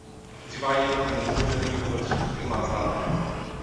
Sie war jedoch eine notwendige kurzfristige Maßnahme.